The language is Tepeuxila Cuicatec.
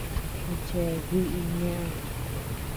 ¿A chea biʼi neʼed.?